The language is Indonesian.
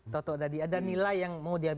toto tadi ada nilai yang mau diambil